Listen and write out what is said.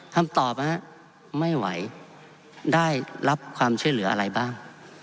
คำตอบไม่ไหวได้รับความช่วยเหลืออะไรบ้าง